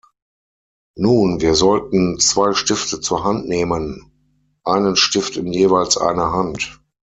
Nun, wir sollten zwei Stifte zur Hand nehmen einen Stift in jeweils eine Hand.